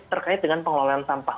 terkait dengan pengelolaan sampah